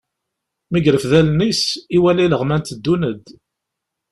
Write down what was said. Mi yerfed allen-is, iwala ileɣman teddun-d.